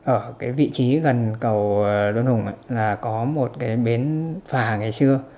ở cái vị trí gần cầu đôn hùng là có một cái bến phà ngày xưa